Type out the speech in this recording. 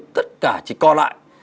tất cả chỉ co lại